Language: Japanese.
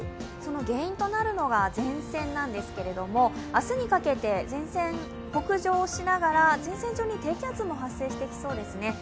原因となるのが前線なんですけれども、明日にかけて前線北上しながら前線上に低気圧も発生してきそうですね。